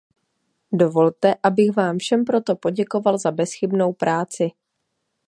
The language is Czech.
Dovolte, abych vám všem proto poděkoval za bezchybnou práci.